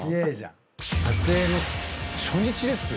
撮影の初日ですよ？